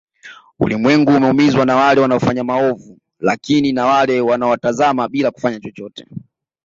Ulimwengu umeumizwa na wale wanaofanya maovu lakini na wale wanaowatazama bila kufanya chochote